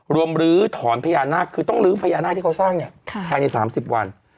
ลื้อถอนพญานาคคือต้องลื้อพญานาคที่เขาสร้างเนี่ยภายใน๓๐วัน